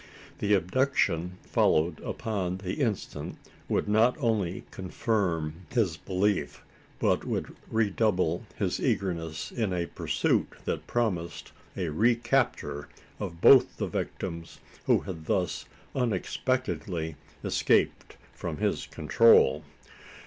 The abduction following upon the instant would not only confirm this belief, but would redouble his eagerness in a pursuit that promised a recapture of both the victims, who had thus unexpectedly escaped from his control.